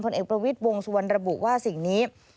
เอกประวิทย์วงสุวรรณระบุว่าสิ่งนี้